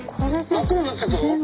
「真っ暗になっちゃったぞおい」